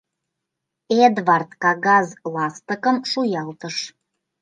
Эдвард кагаз ластыкым шуялтыш.